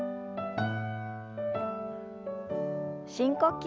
深呼吸。